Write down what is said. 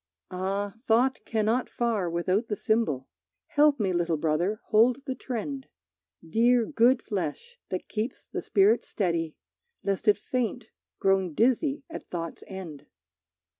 Ah, thought cannot far without the symbol! Help me, little brother, hold the trend. Dear good flesh, that keeps the spirit steady, Lest it faint, grown dizzy at thought's end!